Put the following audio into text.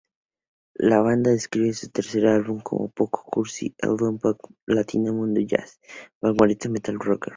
La banda describe su tercer álbum como "Un poco cursi heavy-pop-rock-latino-mundo-jazz-vanguardista-metal-blues-record".